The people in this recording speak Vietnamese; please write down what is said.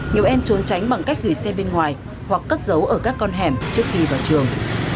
nhiều em trốn tránh bằng cách gửi xe bên ngoài hoặc cất giấu ở các con hẻm trước khi vào trường